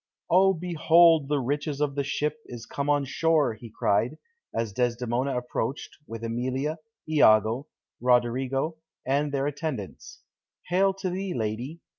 "O, behold, the riches of the ship is come on shore!" he cried, as Desdemona approached, with Emilia, Iago, Roderigo, and their attendants. "Hail to thee, lady!